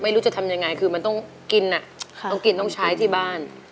ไม่รู้จะทำยังไงคือมันต้องกินต้องกินต้องใช้ที่บ้าน